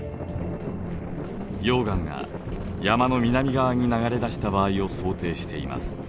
溶岩が山の南側に流れ出した場合を想定しています。